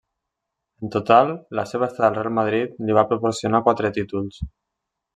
En total, la seva estada al Real Madrid li va proporcionar quatre títols.